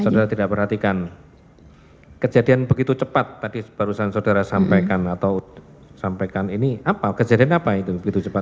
saudara tidak perhatikan kejadian begitu cepat tadi barusan saudara sampaikan atau sampaikan ini apa kejadian apa itu begitu cepat